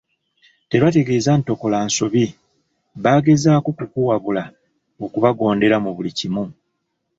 Tebategeeza nti tokola nsobi, bagezaako kukuwabula okubagondera mu buli kimu.